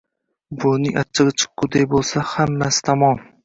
Buvining achchig‘i chiqqudek bo‘lsa hammasi tamom.